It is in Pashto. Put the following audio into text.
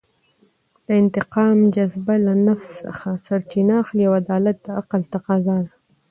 د انتقام جذبه له نفس څخه سرچینه اخلي او عدالت د عقل تفاضا ده.